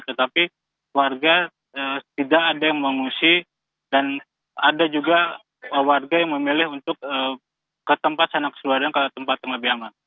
tetapi warga tidak ada yang mengungsi dan ada juga warga yang memilih untuk ke tempat sanak seluar dan ke tempat tempat biama